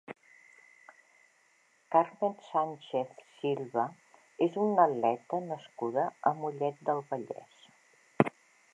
Carmen Sánchez Silva és una atleta nascuda a Mollet del Vallès.